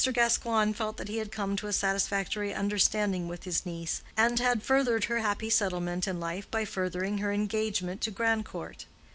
Gascoigne felt that he had come to a satisfactory understanding with his niece, and had furthered her happy settlement in life by furthering her engagement to Grandcourt.